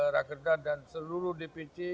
rakerda dan seluruh dpd